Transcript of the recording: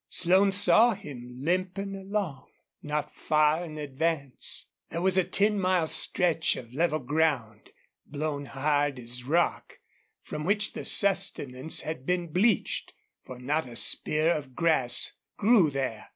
Slone saw him, limping along, not far in advance. There was a ten mile stretch of level ground, blown hard as rock, from which the sustenance had been bleached, for not a spear of grass grew there.